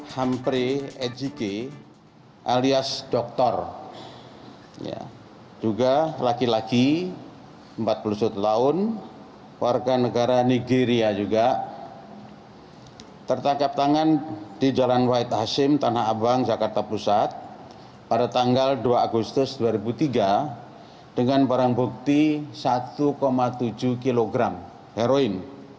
hampri ejike alias doktor juga laki laki empat puluh tahun warga negara nigeria juga tertangkap tangan di jalan wahid hasim tanah abang jakarta pusat pada tanggal dua agustus dua ribu tiga dengan barang bukti satu tujuh kilogram heroin